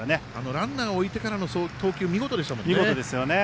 ランナーを置いてからの投球、見事でしたよね。